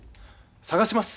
探します。